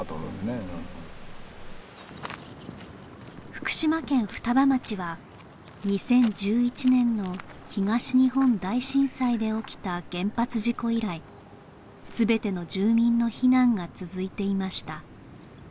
福島県双葉町は２０１１年の東日本大震災で起きた原発事故以来全ての住民の避難が続いていました